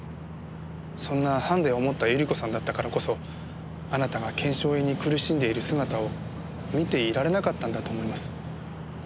そんなハンデを持った百合子さんだったからこそあなたが腱鞘炎に苦しんでいる姿を見ていられなかったんだと思います。